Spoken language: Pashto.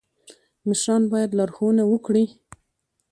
مشران باید لارښوونه وکړي